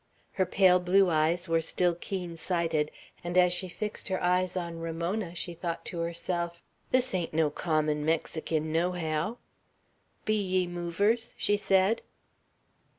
Her pale blue eyes were still keen sighted; and as she fixed them on Ramona, she thought to herself, "This ain't no common Mexican, no how." "Be ye movers?" she said.